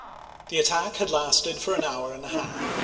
The attack had lasted an hour and a half.